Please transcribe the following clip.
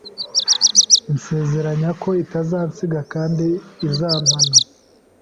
insezeranya ko itazansiga kandi itazampana.